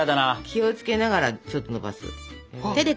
気を付けながらちょっとのばす。